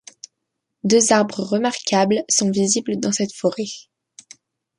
Deux arbres remarquables sont visibles dans cette forêt.